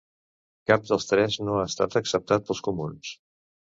Cap dels tres no ha estat acceptat pels comuns.